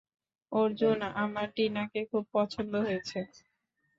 অর্জুন, আমার টিনাকে খুব পছন্দ হয়েছে।